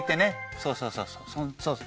そうそうそうそうそうそうそうそう。